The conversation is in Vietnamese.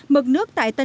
mực nước trên sông tiền